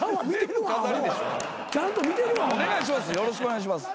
お願いします